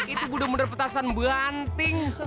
itu budo buder petasan banting